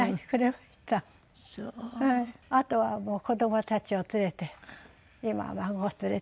あとはもう子どもたちを連れて今は孫を連れて。